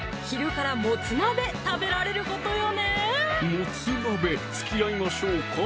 もつ鍋つきあいましょうか？